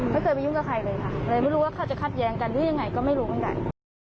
ไม่เคยไปยุ่งกับใครเลยค่ะเลยไม่รู้ว่าเขาจะคัดแย้งกันหรือยังไงก็ไม่รู้เหมือนกัน